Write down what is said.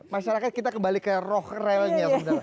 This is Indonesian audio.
masyarakat kita kembali ke rohrelnya